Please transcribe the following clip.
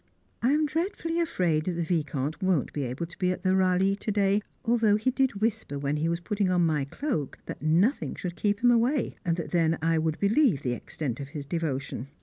I am dreadfully afraid the Vicomte won't be able to be at the Ralli to day, although he did whisper when he was putting on my cloak that nothing should keep him away, and that then I would believe the extent of his devotion.